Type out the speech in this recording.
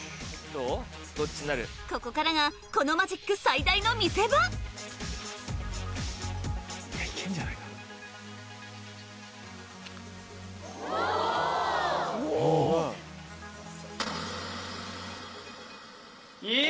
ここからがこのマジック最大の見せ場おっ！